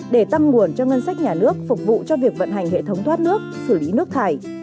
để tăng nguồn cho ngân sách nhà nước phục vụ cho việc vận hành hệ thống thoát nước xử lý nước thải